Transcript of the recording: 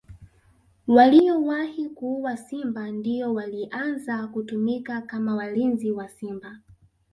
Waliowahi kuua simba ndio walianza kutumika kama walinzi wa simba